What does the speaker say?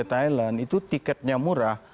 harga tertingginya untuk